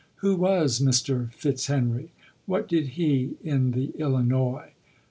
Who was Mr. Fitzhenry ? What did he in the Illinois?